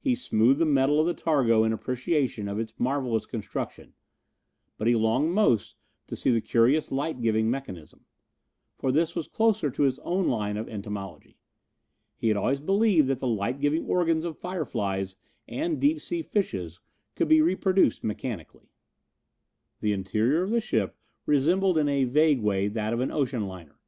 He smoothed the metal of the targo in appreciation of its marvelous construction, but he longed most to see the curious light giving mechanism, for this was closer to his own line of entomology. He had always believed that the light giving organs of fireflys and deep sea fishes could be reproduced mechanically. The interior of the ship resembled in a vague way that of an ocean liner.